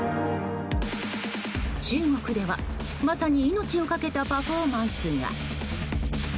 中国では、まさに命を懸けたパフォーマンスが。